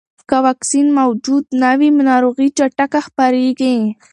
که واکسین موجود نه وي، ناروغي چټکه خپرېږي.